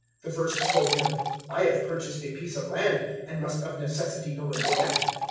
The first told him, "`I have purchased a piece of land, and must of necessity go and look at it.